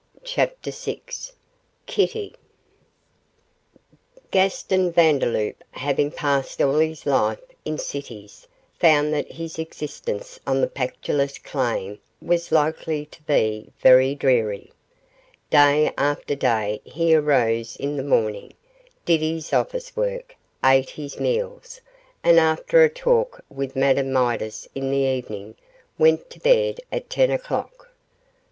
CHAPTER VI KITTY Gaston Vandeloup having passed all his life in cities found that his existence on the Pactolus claim was likely to be very dreary. Day after day he arose in the morning, did his office work, ate his meals, and after a talk with Madame Midas in the evening went to bed at ten o'clock.